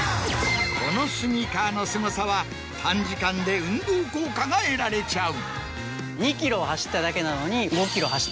このスニーカーのすごさは短時間で運動効果が得られちゃう。